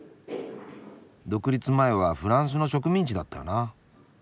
独立前はフランスの植民地だったよな。